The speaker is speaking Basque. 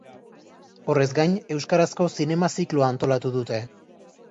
Horrez gain, euskarazko zinema zikloa antolatu dute.